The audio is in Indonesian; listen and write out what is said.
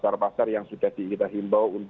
kalau di takeshita di kecil boleh lihat